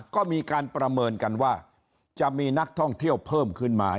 ก็มีการประเมินกันว่าจะมีนักท่องเที่ยวเพิ่มขึ้นมา